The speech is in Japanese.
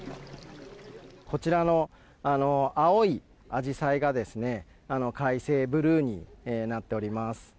こちらの青いアジサイが開成ブルーになっております。